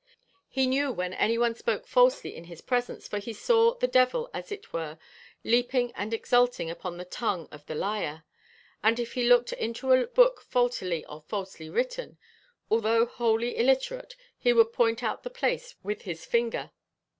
He knew when any one spoke falsely in his presence, for he saw the devil as it were leaping and exulting upon the tongue of the liar; and if he looked into a book faultily or falsely written, although wholly illiterate he would point out the place with his finger.